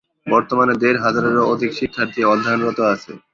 বর্তমানে দেড় হাজারেরও অধিক শিক্ষার্থী অধ্যয়নরত আছে।